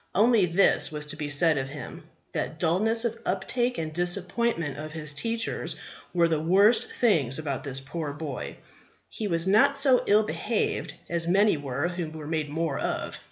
Only, this was to be said of him, that dulness of uptake and disappointment of his teachers were the worst things about this poor boy; he was not so ill behaved as many were who were made more of.